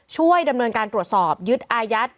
ช่วยดำเนินการตรวจสอบยึดอายัด